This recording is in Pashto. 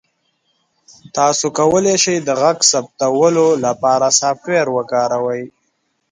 تاسو کولی شئ د غږ ثبتولو لپاره سافټویر وکاروئ.